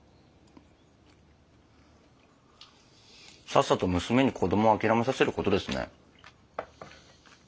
さっさと娘に子どもを諦めさせる事ですね。